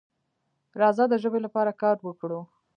راځه د ژبې لپاره کار وکړو.